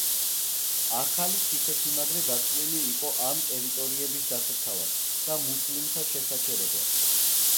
ახალი ციხესიმაგრე გათვლილი იყო ამ ტერიტორიების დასაცავად და მუსლიმთა შესაჩერებლად.